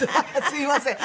すみません。